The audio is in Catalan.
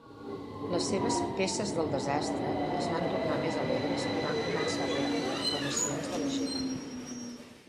Les seves "peces del desastre" es van tornar més alegres i van començar a rebre aclamacions de la gent.